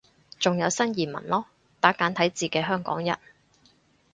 仲有新移民囉，打簡體字嘅香港人